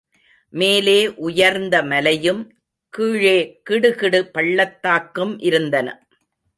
மேலே உயர்ந்த மலையும், கீழே கிடுகிடு பள்ளத்தாக்கும் இருந்தன.